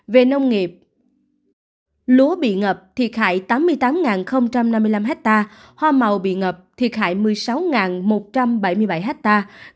về nông nghiệp lúa bị ngập thiệt hại tám mươi tám năm mươi năm hectare hoa màu bị ngập thiệt hại một mươi sáu một trăm bảy mươi bảy hectare